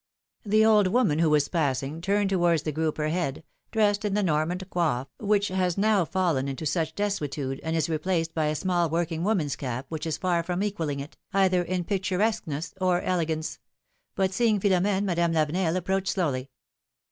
The old woman who was passing turned towards the group her head, dressed in the Normand coiffe, which has now fallen into such desuetude, and is replaced by a small working woman's cap, which is far from equalling it, either in picturesqueness or elegance ; but seeing Philom^ne Madame Lavenel approached slowly.